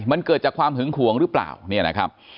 มันเกิดจากความหึงหวงหรือเปล่าเนี่ยนะครับ